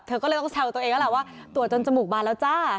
เธอก็เลยต้องแซวตัวเองแล้วแหละว่าตรวจจนจมูกบานแล้วจ้า